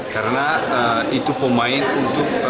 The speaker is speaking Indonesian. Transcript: karena itu pemain untuk